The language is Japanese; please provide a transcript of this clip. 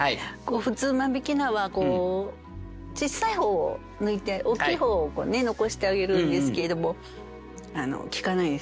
普通間引菜は小さい方を抜いて大きい方を残してあげるんですけれども聞かないですよね。